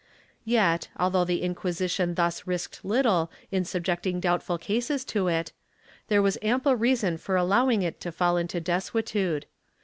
Yet, although the Inquisition thus risked little in subjecting doubtful cases to it, there was ample reason for allow ing it to fall into desuetude.